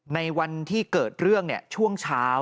ในวันที่เกิดเรื่องช่วงเช้า